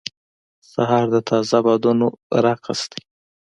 سهار د تازه بادونو رقص دی.